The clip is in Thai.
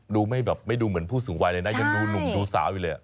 ดูไม่ดูเหมือนผู้สูงวายเลยนะยังดูหนุ่มดูสาวอีกเลย